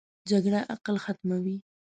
جګړه عقل ختموي